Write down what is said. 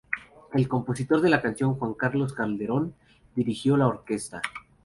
El compositor de la canción, Juan Carlos Calderón, dirigió la orquesta.